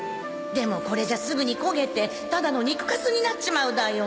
でもこれじゃすぐに焦げてただの肉かすになっちまうだよ。